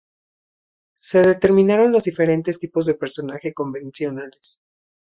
Se determinaron los diferentes tipos de personajes convencionales.